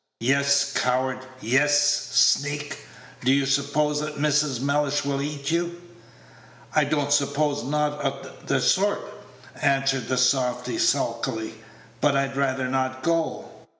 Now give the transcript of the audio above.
"Yes, coward! yes, sneak! Do you suppose that Mrs. Mellish will eat you?" "I don't suppose naught o' t' sort," answered the softy, sulkily, "but I'd rather not go."